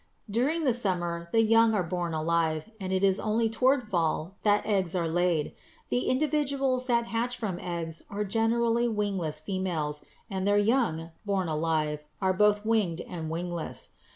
During the summer the young are born alive, and it is only toward fall that eggs are laid. The individuals that hatch from eggs are generally wingless females, and their young, born alive, are both winged and wingless.